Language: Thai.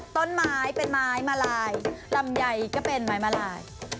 ต้นไม้เป็นไม้มาลายลำไยก็เป็นไม้มาลาย